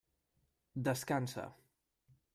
Descansa.